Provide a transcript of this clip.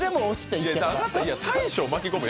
大昇、巻き込むの